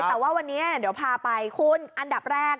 แต่ว่าวันนี้เดี๋ยวพาไปคุณอันดับแรก